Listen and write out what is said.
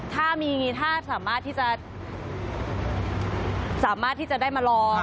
ถ้ามีอย่างงี้ถ้าสามารถที่จะได้มาลอง